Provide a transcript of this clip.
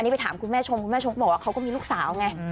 นี่ไปถามคุณแม่ชมคุณแม่ชกบอกว่าเขาก็มีลูกสาวไง